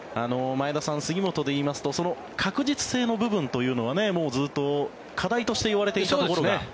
前田さん、杉本でいいますと確実性の部分というのはもうずっと課題として言われていたところが。